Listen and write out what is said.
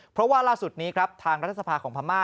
เพราะว่าล่าสุดนี้ครับทางรัฐสภาของพม่า